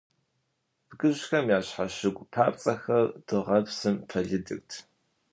Бгыжьхэм я щхьэщыгу папцӀэхэр дыгъэпсым пэлыдырт.